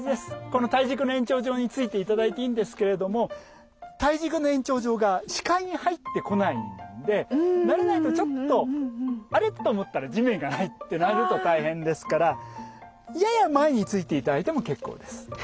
この体軸の延長上に突いて頂いていいんですけれども体軸の延長上が視界に入ってこないんで慣れないとちょっとあれ？と思ったら地面がないってなると大変ですからやや前に突いて頂いても結構です。